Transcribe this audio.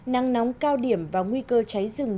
năng nóng cao điểm và nguy cơ cháy rừng